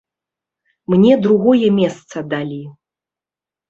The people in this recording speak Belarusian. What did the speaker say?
Мне другое месца далі.